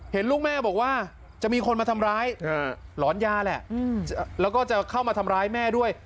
เห็นลูกแม่บอกว่าจะมีคนมาทำร้ายหลอนยาแหละแล้วก็จะเข้ามาทำร้ายแม่ด้วย